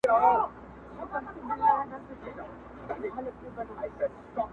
چي ته نه يې زما په ژونــــد كــــــي.